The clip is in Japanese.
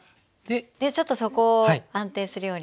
でちょっと底を安定するように。